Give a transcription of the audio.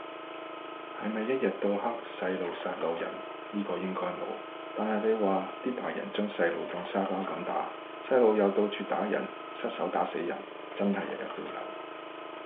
係咪一日到黑細路殺老人，呢個應該冇，但係你話啲大人將細路當沙包咁打，細路又到處打人失手打死人，真係日日都有